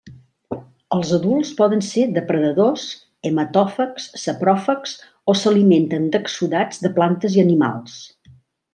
Els adults poden ser depredadors, hematòfags, sapròfags o s'alimenten d'exsudats de plantes i animals.